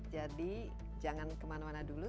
jadi jangan kemana mana dulu